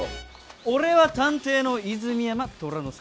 俺は探偵の泉山虎之介。